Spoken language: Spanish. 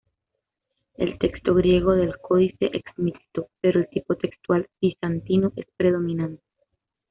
El texto griego del códice es mixto, pero el tipo textual bizantino es predominante.